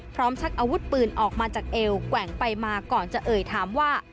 ชักอาวุธปืนออกมาจากเอวแกว่งไปมาก่อนจะเอ่ยถามว่า